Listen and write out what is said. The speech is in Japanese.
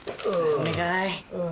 お願い。